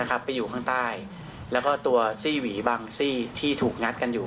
ไปอยู่ข้างใต้แล้วก็ตัวซี่หวีบางซี่ที่ถูกงัดกันอยู่